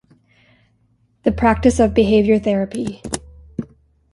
The Practice of Behavior Therapy.